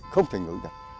không thể nổi được